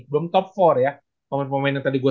belum top empat ya pemain pemain yang tadi gue